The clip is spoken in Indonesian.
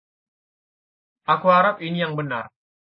Aku harap ini yang benar.